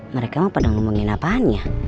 mereka mah pada ngomongin apaan ya